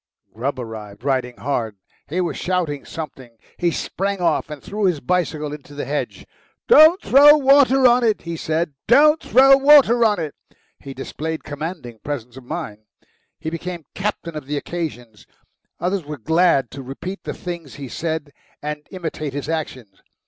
Grubb arrived, riding hard. He was shouting something. He sprang off and threw his bicycle into the hedge. "Don't throw water on it!" he said "don't throw water on it!" He displayed commanding presence of mind. He became captain of the occasion. Others were glad to repeat the things he said and imitate his actions.